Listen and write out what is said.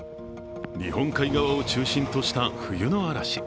日本海側を中心とした冬の嵐。